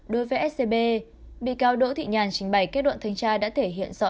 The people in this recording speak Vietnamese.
đối với scb bị cáo đỗ thị nhàn trình bày kết luận thanh tra đã thể hiện rõ